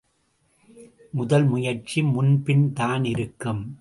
முதல் முயற்சி முன்பின் தான் இருக்கும்.